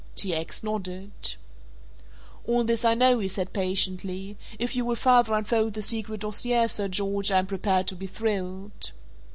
T. X. nodded. "All this I know," he said patiently, "if you will further unfold the secret dossier, Sir George, I am prepared to be thrilled."